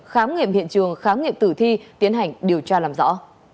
khám nghiệm hiện trường khám nghiệm tử thi tiến hành điều tra làm rõ